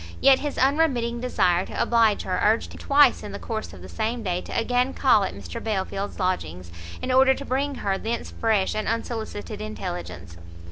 Yet his unremitting desire to oblige her urged him twice in the course of the same day to again call at Mr Belfield's lodgings, in order to bring her thence fresh and unsolicited intelligence.